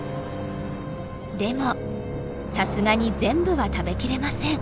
でもさすがに全部は食べ切れません。